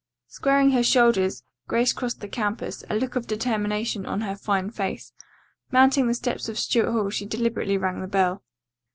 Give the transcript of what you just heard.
Squaring her shoulders Grace crossed the campus, a look of determination on her fine face. Mounting the steps of Stuart Hall she deliberately rang the bell.